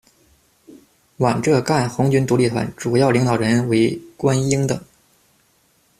皖浙赣红军独立团，主要领导人为关英等。